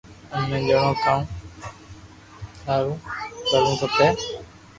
امي جوئو ڪاو ٿارو ڪروو کپي